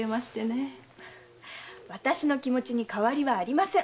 私の気持ちに変わりはありません。